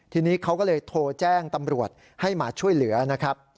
ทีนี้เขาก็เลยโทรแจ้งตำรวจให้มาช่วยเหลือนะครับ